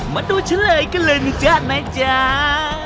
มาดูเฉลยกันเลยหนูจ้าไหมจ้า